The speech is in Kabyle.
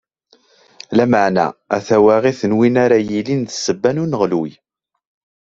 Lameɛna, a tawaɣit n win ara yilin d ssebba n uɣelluy!